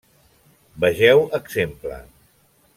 Vegeu exemple.